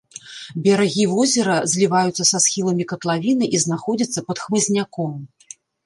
Берагі возера зліваюцца са схіламі катлавіны і знаходзяцца пад хмызняком.